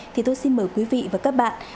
thì tôi xin mời quý vị và các bạn